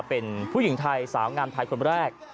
เป็นผู้หญิงไทยสาวงามไทยคนแรก